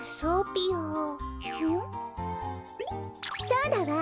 そうだわ！